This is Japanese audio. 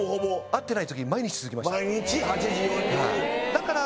だから。